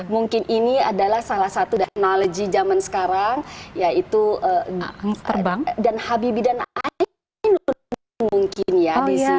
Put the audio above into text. mungkin ini adalah salah satu dan alji zaman sekarang yaitu terbang dan habibin mungkin ya